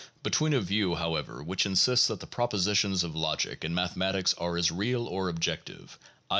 Between a view, however, which insists that the propositions of logic and mathe matics are as real or objective (i.